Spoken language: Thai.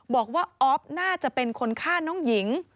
บอกว่าออฟน่าจะเป็นคนฆ่าน้องหญิง